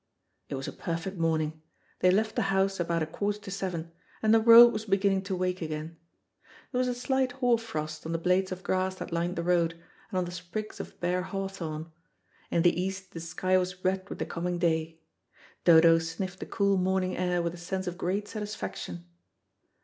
It was a perfect morning. They left the house about a quarter to seven, and the world was beginning to wake again. There was a slight hoar frost on the blades of grass that lined the road, and on the sprigs of bare hawthorn. In the east the sky was red with the coming day. Dodo sniffed the cool morning air with a sense of great satisfaction.